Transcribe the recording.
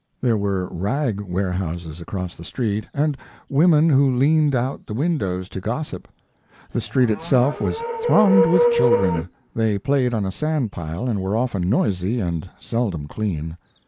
There were rag warehouses across the street and women who leaned out the windows to gossip. The street itself was thronged with children. They played on a sand pile and were often noisy and seldom clean.